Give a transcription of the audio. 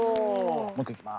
もう一個いきます。